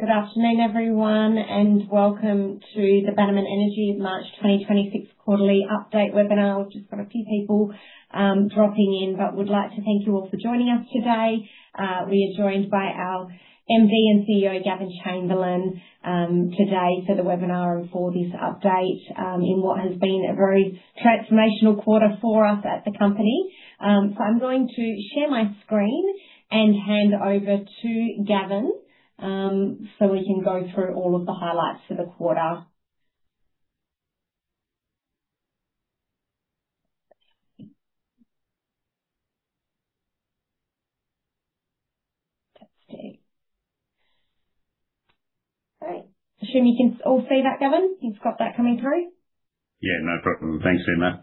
Good afternoon, everyone, and welcome to the Bannerman Energy March 2026 quarterly update webinar. We've just got a few people dropping in, but we'd like to thank you all for joining us today. We are joined by our MD and CEO, Gavin Chamberlain, today for the webinar and for this update, in what has been a very transformational quarter for us at the company. I'm going to share my screen and hand over to Gavin, so we can go through all of the highlights for the quarter. Let's see. Great. Assume you can all see that, Gavin? You've got that coming through. Yeah, no problem. Thanks, Emma.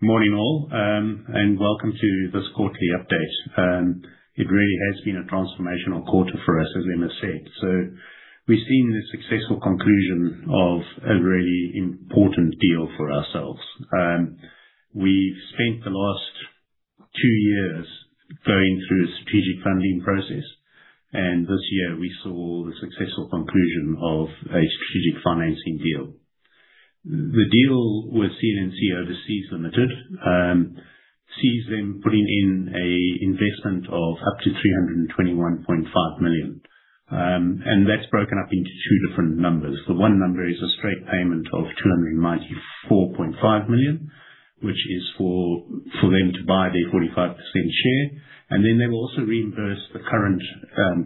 Morning, all, welcome to this quarterly update. It really has been a transformational quarter for us, as Emma said. We've seen the successful conclusion of a really important deal for ourselves. We've spent the last two years going through a strategic funding process, this year we saw the successful conclusion of a strategic financing deal. The deal with CNNC Overseas Limited sees them putting in a investment of up to 321.5 million. That's broken up into two different numbers. The one number is a straight payment of 294.5 million, which is for them to buy their 45% share. They will also reimburse the current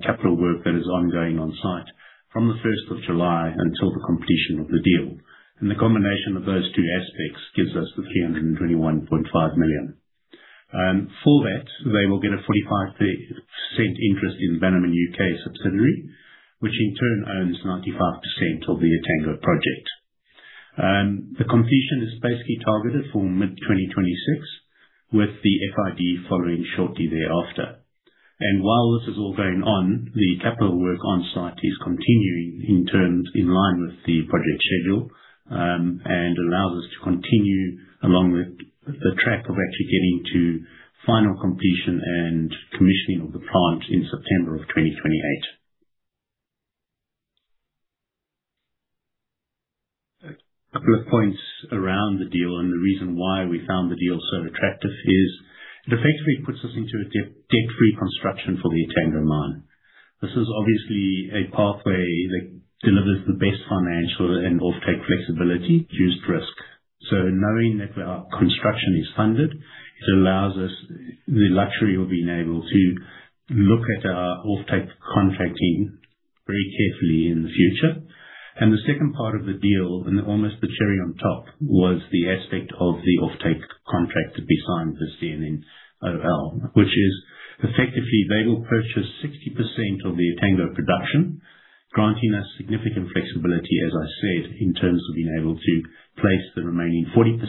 capital work that is ongoing on-site from the 1st of July until the completion of the deal. The combination of those two aspects gives us the 321.5 million. For that, they will get a 45% interest in Bannerman UK subsidiary, which in turn owns 95% of the Etango project. The completion is basically targeted for mid-2026, with the FID following shortly thereafter. While this is all going on, the capital work on-site is continuing in line with the project schedule, and allows us to continue along the track of actually getting to final completion and commissioning of the plant in September of 2028. A couple of points around the deal and the reason why we found the deal so attractive is it effectively puts us into a debt-free construction for the Etango Mine. This is obviously a pathway that delivers the best financial and offtake flexibility, reduced risk. Knowing that our construction is funded, it allows us the luxury of being able to look at our offtake contracting very carefully in the future. The second part of the deal, and almost the cherry on top, was the aspect of the offtake contract to be signed with CNNC OL. Effectively, they will purchase 60% of the Etango production, granting us significant flexibility, as I said, in terms of being able to place the remaining 40%,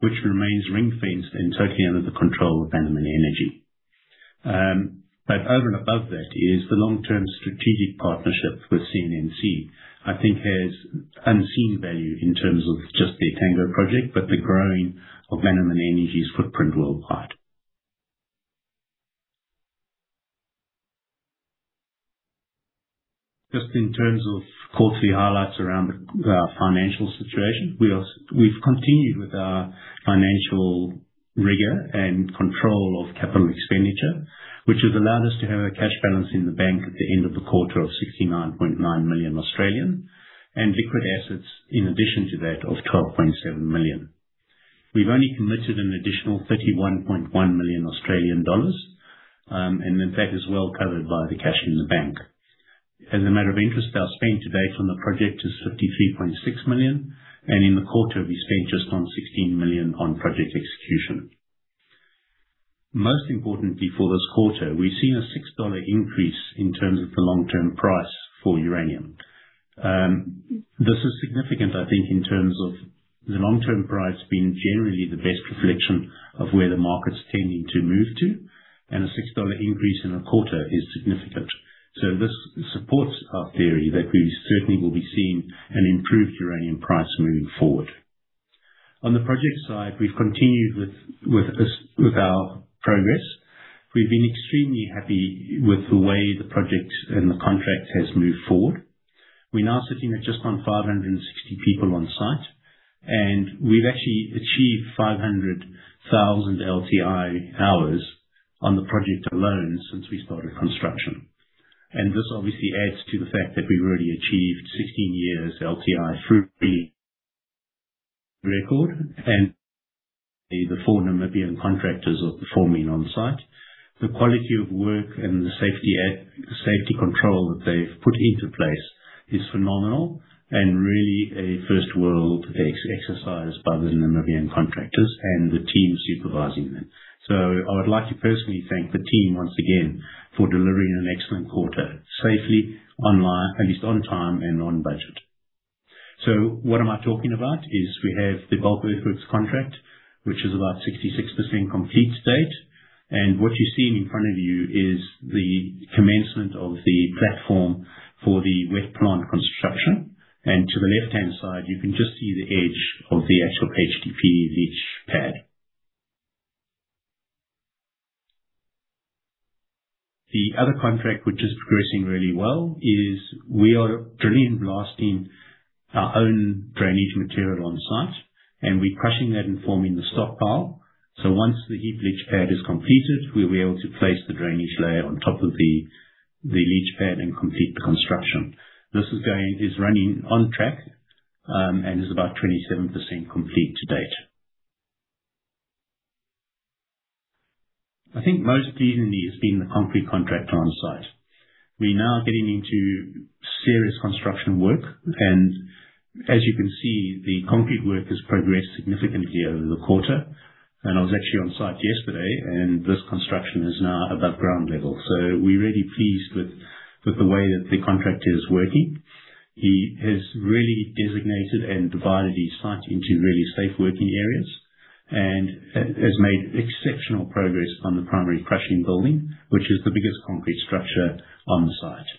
which remains ring-fenced and totally under the control of Bannerman Energy. Over and above that is the long-term strategic partnership with CNNC, I think has unseen value in terms of just the Etango project, but the growing of Bannerman Energy's footprint worldwide. Just in terms of quarterly highlights around our financial situation, we've continued with our financial rigor and control of capital expenditure, which has allowed us to have a cash balance in the bank at the end of the quarter of 69.9 million and liquid assets in addition to that of 12.7 million. We've only committed an additional 31.1 million Australian dollars, and then that is well covered by the cash in the bank. As a matter of interest, our spend to date on the project is 53.6 million, and in the quarter we spent just on 16 million on project execution. Most importantly for this quarter, we've seen a 6 dollar increase in terms of the long-term price for uranium. This is significant, I think, in terms of the long-term price being generally the best reflection of where the market's tending to move to. A 6 dollar increase in a quarter is significant. This supports our theory that we certainly will be seeing an improved uranium price moving forward. On the project side, we've continued with our progress. We've been extremely happy with the way the project and the contract has moved forward. We're now sitting at just on 560 people on-site. We've actually achieved 500,000 LTI hours on the project alone since we started construction. This obviously adds to the fact that we've already achieved 16 years LTI free record and the four Namibian contractors are performing on-site. The quality of work and the safety safety control that they've put into place is phenomenal and really a first-world exercise by the Namibian contractors and the team supervising them. I would like to personally thank the team once again for delivering an excellent quarter safely, online, at least on time and on budget. What am I talking about? Is we have the bulk earthworks contract, which is about 66% complete state. What you're seeing in front of you is the commencement of the platform for the wet plant construction. To the left-hand side, you can just see the edge of the actual HDPE leach pad. The other contract which is progressing really well is we are drilling and blasting our own drainage material on site, and we're crushing that and forming the stockpile. Once the heap leach pad is completed, we'll be able to place the drainage layer on top of the leach pad and complete the construction. This is running on track, and is about 27% complete to date. I think most easily has been the concrete contractor on site. We're now getting into serious construction work and as you can see, the concrete work has progressed significantly over the quarter. I was actually on site yesterday and this construction is now above ground level. We're really pleased with the way that the contractor is working. He has really designated and divided his site into really safe working areas and has made exceptional progress on the primary crushing building, which is the biggest concrete structure on the site.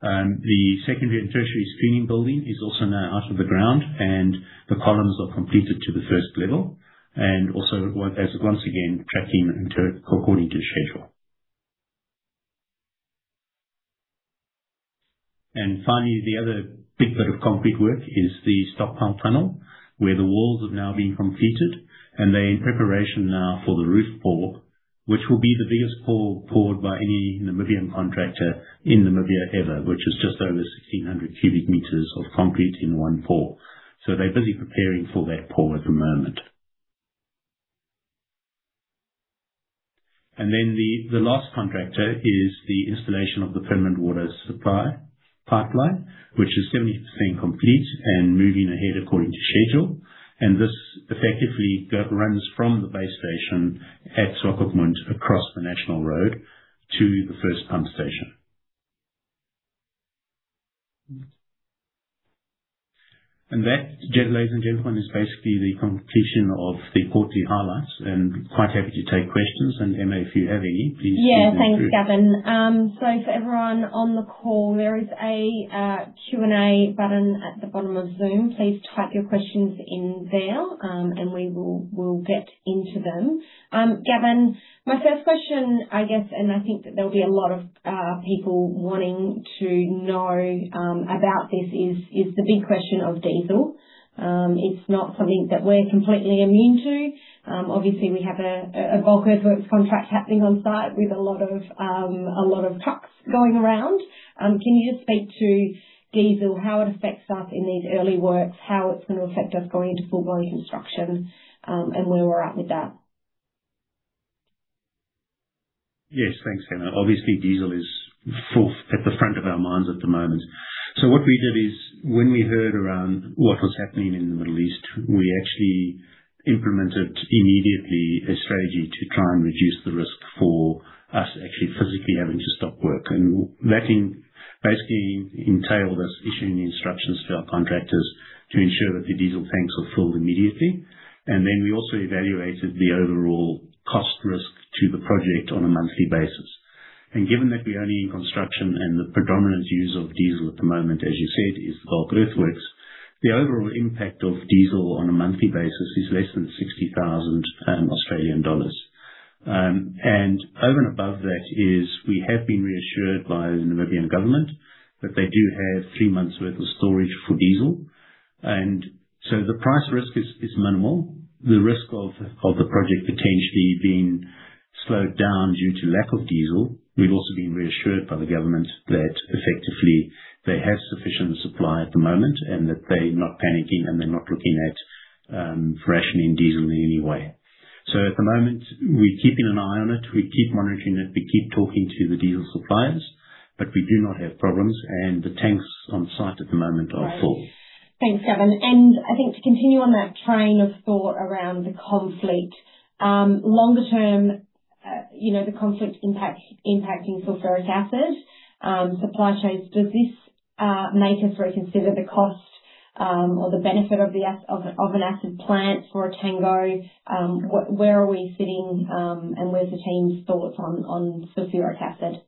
The secondary and tertiary screening building is also now out of the ground and the columns are completed to the first level as once again tracking according to schedule. Finally, the other big bit of concrete work is the stockpile tunnel, where the walls have now been completed and they're in preparation now for the roof pour, which will be the biggest pour poured by any Namibian contractor in Namibia ever, which is just over 1,600 cubic meters of concrete in one pour. They're busy preparing for that pour at the moment. Then the last contractor is the installation of the permanent water supply pipeline, which is 70% complete and moving ahead according to schedule. This effectively runs from the base station at Swakopmund across the national road to the first pump station. That, ladies and gentlemen, is basically the completion of the quarterly highlights and quite happy to take questions. Emma, if you have any, please feel free. Yeah. Thanks, Gavin. For everyone on the call, there is a Q&A button at the bottom of Zoom. Please type your questions in there, we'll get into them. Gavin, my first question, I guess, and I think that there'll be a lot of people wanting to know about this is the big question of diesel. It's not something that we're completely immune to. Obviously we have a bulk earthworks contract happening on site with a lot of trucks going around. Can you just speak to diesel, how it affects us in these early works, how it's gonna affect us going into full volume construction, where we're at with that? Yes. Thanks, Emma. Obviously, diesel is at the front of our minds at the moment. What we did is when we heard around what was happening in the Middle East, we actually implemented immediately a strategy to try and reduce the risk for us actually physically having to stop work. That basically entailed us issuing instructions to our contractors to ensure that the diesel tanks were filled immediately. We also evaluated the overall cost risk to the project on a monthly basis. Given that we're only in construction and the predominant use of diesel at the moment, as you said, is bulk earthworks. The overall impact of diesel on a monthly basis is less than 60,000 Australian dollars. Over and above that is we have been reassured by the Namibian government that they do have three months' worth of storage for diesel. The price risk is minimal. The risk of the project potentially being slowed down due to lack of diesel. We've also been reassured by the government that effectively they have sufficient supply at the moment and that they're not panicking and they're not looking at rationing diesel in any way. At the moment, we're keeping an eye on it. We keep monitoring it. We keep talking to the diesel suppliers, but we do not have problems, and the tanks on site at the moment are full. Thanks, Gavin. I think to continue on that train of thought around the conflict, longer term, you know, the conflict impacting sulfuric acid supply chains. Does this make us reconsider the cost or the benefit of an acid plant for Etango? Where are we sitting, and where's the team's thoughts on sulfuric acid?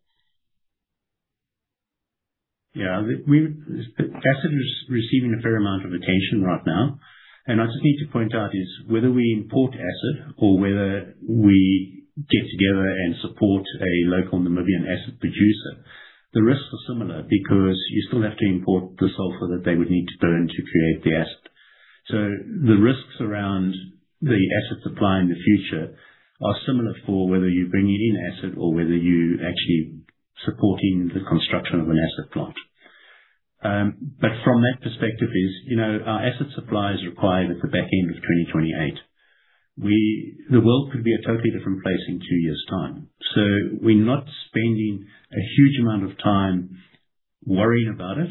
Yeah. The acid is receiving a fair amount of attention right now. I just need to point out is whether we import acid or whether we get together and support a local Namibian acid producer, the risks are similar because you still have to import the sulfur that they would need to burn to create the acid. The risks around the acid supply in the future are similar for whether you're bringing in acid or whether you're actually supporting the construction of an acid plant. From that perspective is, you know, our acid supply is required at the back end of 2028. The world could be a totally different place in two years' time. We're not spending a huge amount of time worrying about it.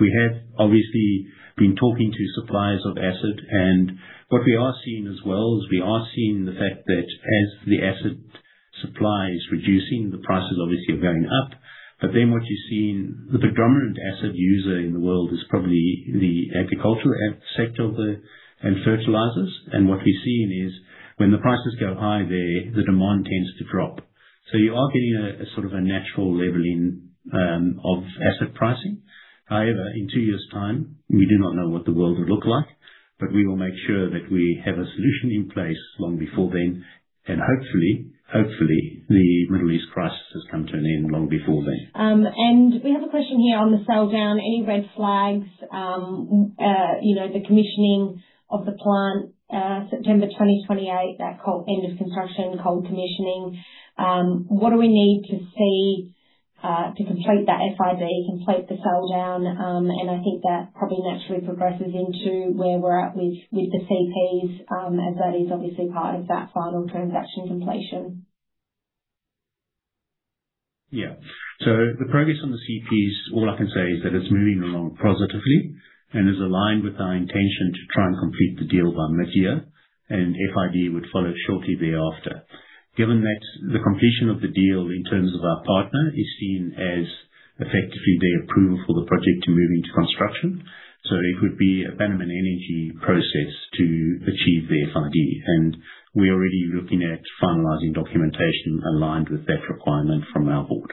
We have obviously been talking to suppliers of acid. What we are seeing as well is we are seeing the fact that as the acid supply is reducing, the prices obviously are going up. What you're seeing, the predominant acid user in the world is probably the agricultural sector of the fertilizers. What we've seen is when the prices go high there, the demand tends to drop. You are getting a sort of a natural leveling of acid pricing. However, in two years' time, we do not know what the world would look like, but we will make sure that we have a solution in place long before then, and hopefully the Middle East crisis has come to an end long before then. We have a question here on the sell-down. Any red flags, you know, the commissioning of the plant, September 2028, end of construction, cold commissioning. What do we need to see to complete that FID, complete the sell-down? I think that probably naturally progresses into where we're at with the CPs, as that is obviously part of that final transaction completion. The progress on the CPs, all I can say is that it's moving along positively and is aligned with our intention to try and complete the deal by mid-year, and FID would follow shortly thereafter. Given that the completion of the deal in terms of our partner is seen as effectively their approval for the project to move into construction. It would be a Bannerman Energy process to achieve the FID, and we're already looking at finalizing documentation aligned with that requirement from our board.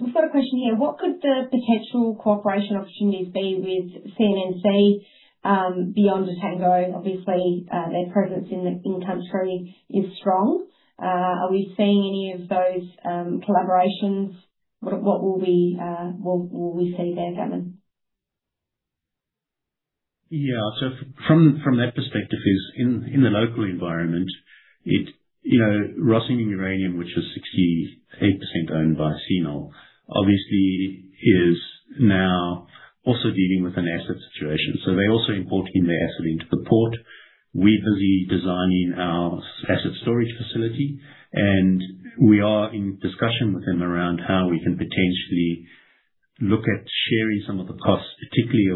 We've got a question here. What could the potential cooperation opportunities be with CNNC beyond Etango? Obviously, their presence in country is strong. Are we seeing any of those collaborations? What will we see there, Gavin? Yeah. From that perspective is in the local environment, it's, you know, Rössing Uranium, which is 68% owned by CNNC OL, obviously is now also dealing with an acid situation. They're also importing their acid into the port. We're busy designing our acid storage facility, we are in discussion with them around how we can potentially look at sharing some of the costs, particularly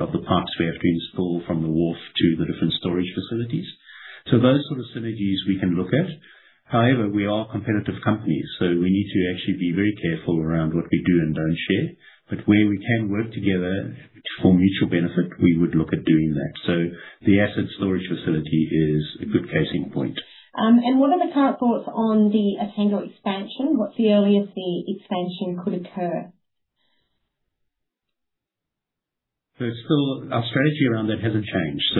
of the parts we have to install from the wharf to the different storage facilities. Those sort of synergies we can look at. However, we are competitive companies, we need to actually be very careful around what we do and don't share. Where we can work together for mutual benefit, we would look at doing that. The acid storage facility is a good case in point. What are the current thoughts on the Etango expansion? What's the earliest the expansion could occur? Still, our strategy around that hasn't changed.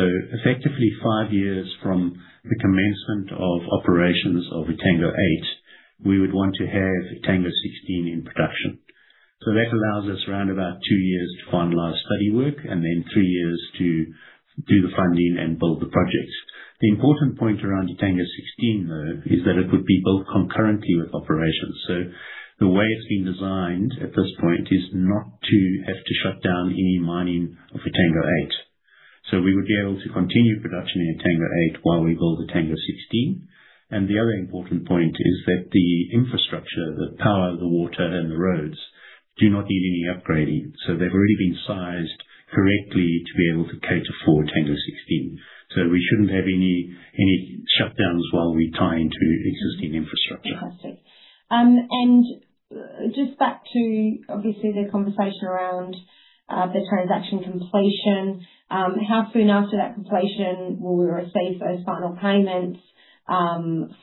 Effectively, five years from the commencement of operations of Etango 8, we would want to have Etango 16 in production. That allows us around about two years to finalize study work and then three years to do the funding and build the project. The important point around Etango 16, though, is that it would be built concurrently with operations. The way it's been designed at this point is not to have to shut down any mining of Etango 8. We would be able to continue production in Etango 8 while we build Etango 16. The other important point is that the infrastructure, the power, the water, and the roads do not need any upgrading. They've already been sized correctly to be able to cater for Etango 16. We shouldn't have any shutdowns while we tie into existing infrastructure. Fantastic. Just back to obviously the conversation around the transaction completion, how soon after that completion will we receive those final payments from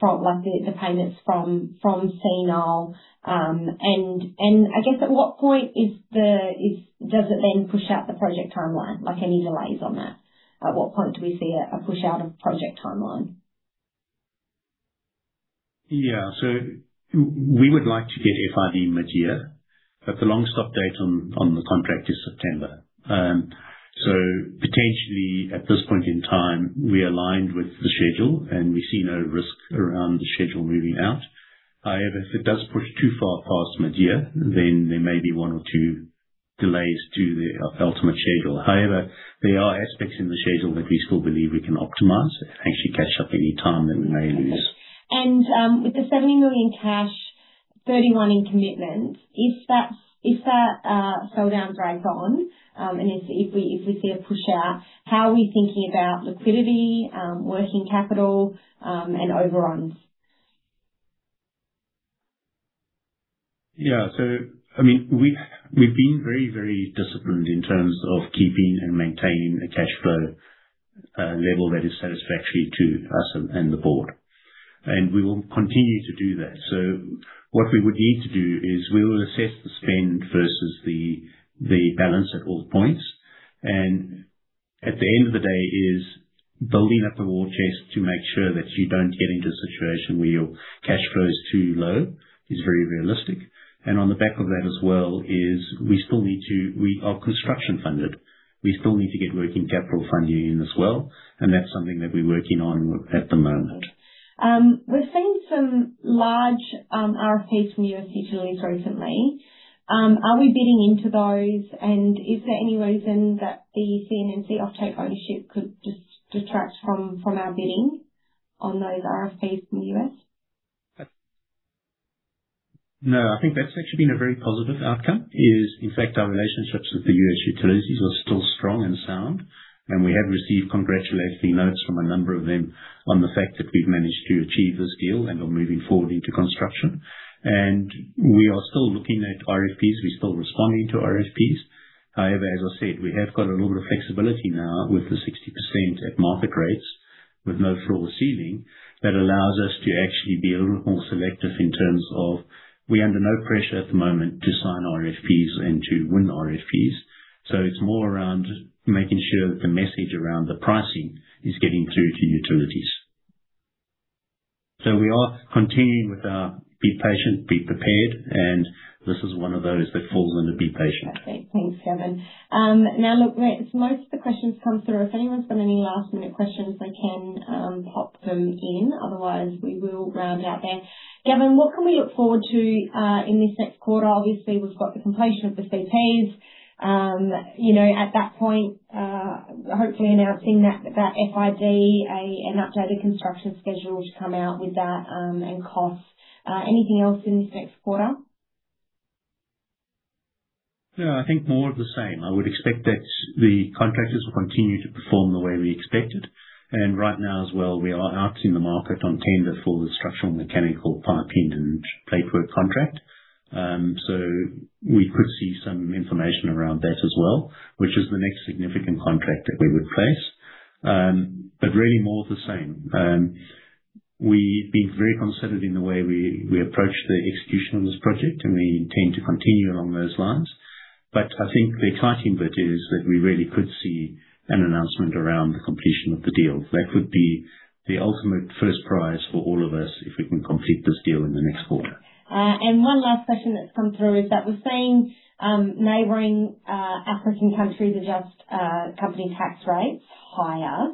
CNNC OL? I guess at what point does it then push out the project timeline, like any delays on that? At what point do we see a push out of project timeline? We would like to get FID mid-year, but the longest update on the contract is September. Potentially at this point in time, we aligned with the schedule, and we see no risk around the schedule moving out. However, if it does push too far past mid-year, then there may be one or two delays to our ultimate schedule. However, there are aspects in the schedule that we still believe we can optimize and actually catch up any time that we may lose. With the 70 million cash, 30 million in commitments, if that sell-down drags on, and if we see a push out, how are we thinking about liquidity, working capital, and overruns? Yeah. I mean, we've been very, very disciplined in terms of keeping and maintaining a cash flow level that is satisfactory to us and the board. We will continue to do that. What we would need to do is we will assess the spend versus the balance at all points. At the end of the day is building up a war chest to make sure that you don't get into a situation where your cash flow is too low, is very realistic. On the back of that as well is we are construction funded. We still need to get working capital funding in as well, and that's something that we're working on at the moment. We've seen some large RFPs from U.S. utilities recently. Are we bidding into those? Is there any reason that the CNNC offtake ownership could distract from our bidding on those RFPs from the U.S.? No, I think that's actually been a very positive outcome, is in fact our relationships with the U.S. utilities are still strong and sound. We have received congratulatory notes from a number of them on the fact that we've managed to achieve this deal and are moving forward into construction. We are still looking at RFPs. We're still responding to RFPs. However, as I said, we have got a little bit of flexibility now with the 60% at market rates with no floor or ceiling. That allows us to actually be a little more selective in terms of we're under no pressure at the moment to sign RFPs and to win RFPs. It's more around making sure the message around the pricing is getting through to utilities. So we are continuing with our be patient, be prepared, and this is one of those that falls under be patient. Okay. Thanks, Gavin. Now look, most of the questions come through. If anyone's got any last-minute questions, they can pop them in. We will round out there. Gavin, what can we look forward to in this next quarter? Obviously, we've got the completion of the CPs. You know, at that point, hopefully announcing that FID, an updated construction schedule to come out with that, and costs. Anything else in this next quarter? No, I think more of the same. I would expect that the contractors will continue to perform the way we expected. Right now as well, we are out in the market on tender for the structural mechanical piping and platework contract. We could see some information around that as well, which is the next significant contract that we would place. Really more of the same. We've been very considered in the way we approach the execution of this project, and we intend to continue along those lines. I think the exciting bit is that we really could see an announcement around the completion of the deal. That would be the ultimate first prize for all of us if we can complete this deal in the next quarter. One last question that's come through is that we're seeing neighboring African countries adjust company tax rates higher,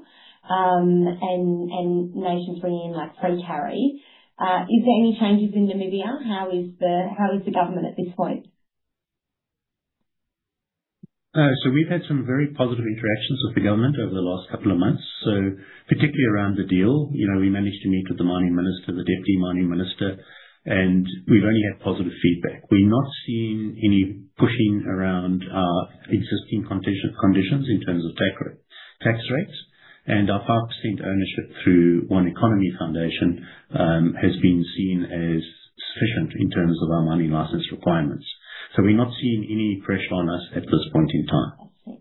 and nations bringing in, like, free carry. Is there any changes in Namibia? How is the government at this point? We've had some very positive interactions with the government over the last couple of months. Particularly around the deal. You know, we managed to meet with the mining minister, the deputy mining minister, and we've only had positive feedback. We're not seeing any pushing around our existing conditions in terms of tax rates and our 5% ownership through One Economy Foundation has been seen as sufficient in terms of our mining license requirements. We're not seeing any pressure on us at this point in time. Okay.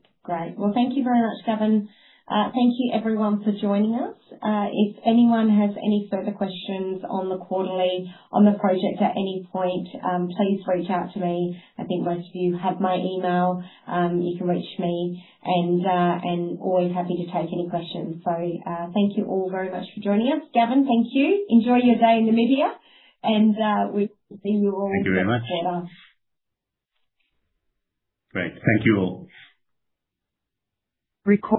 Great. Thank you very much, Gavin. Thank you everyone for joining us. If anyone has any further questions on the quarterly, on the project at any point, please reach out to me. I think most of you have my email. You can reach me and I'm always happy to take any questions. Thank you all very much for joining us. Gavin, thank you. Enjoy your day in Namibia and we've seen you all. Thank you very much. Great. Thank you all. Recording-